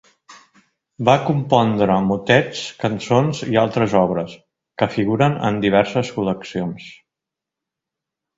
Va compondre motets, cançons i altres obres, que figuren en diverses col·leccions.